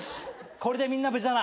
これでみんな無事だな。